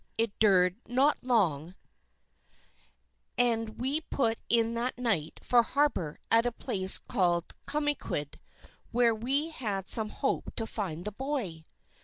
it dured not long, and we put in that night for harbour at a place called Cummaquid, where we had some hope to find the boy."